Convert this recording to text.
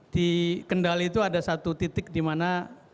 di kendali itu ada satu titik dimana